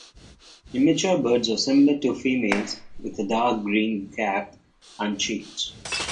Immature birds are similar to females with a dark green cap and cheeks.